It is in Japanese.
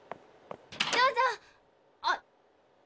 どうぞあっ。